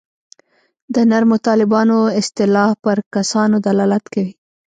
د نرمو طالبانو اصطلاح پر کسانو دلالت کوي.